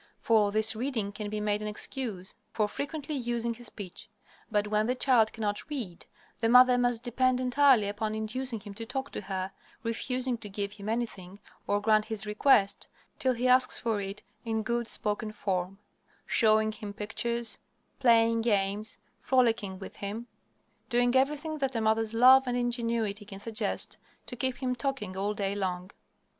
For this reading can be made an excuse for frequently using his speech. But when the child cannot read, the mother must depend entirely upon inducing him to talk to her, refusing to give him anything, or grant his request, till he asks for it in good spoken form; showing him pictures, playing games, frolicking with him; doing everything that a mother's love and ingenuity can suggest, to keep him talking all day long.